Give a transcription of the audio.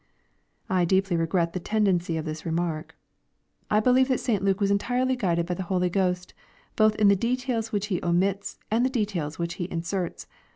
I deeply regret the tendency of this remark. I believe that St. Luke was entirely fi^ded by the Holy Q host, both in the details which he omits and the details which he inserts.